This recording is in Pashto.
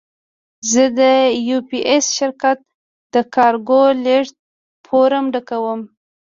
زه د یو پي ایس شرکت د کارګو لېږد فورمه ډکوم.